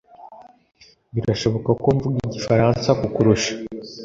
Birashoboka ko mvuga Igifaransa kukurusha